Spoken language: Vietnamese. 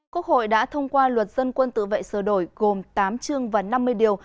quốc hội đã thông qua luật dân quân tự vệ sửa đổi gồm tám chương và năm mươi điều